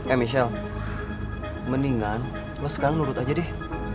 eh michelle mendingan lo sekarang nurut aja deh